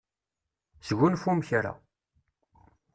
Sgunfum kra.